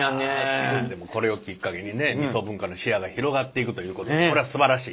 でもこれをきっかけにね味噌文化のシェアが広がっていくということでこれはすばらしい。